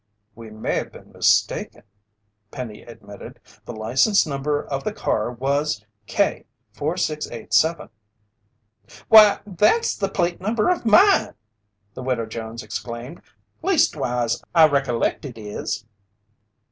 "We may have been mistaken," Penny admitted. "The license number of the car was K 4687." "Why, that's the plate number of mine!" the Widow Jones exclaimed. "Leastwise, I recollect it is!"